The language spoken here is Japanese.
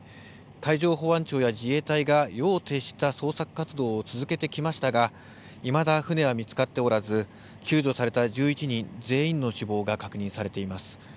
海上保安庁や自衛隊が夜を徹した捜索活動を続けてきましたがいまだ船は見つかっておらず救助された１１人全員の死亡が確認されています。